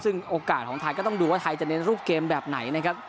ซึ่งโอกาสของไทยก็ต้องดูว่าไทยจะเน้นรูปเกมแบบไหนนะครับ